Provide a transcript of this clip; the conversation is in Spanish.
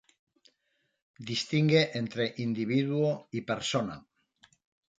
Distingue entre individuo y persona.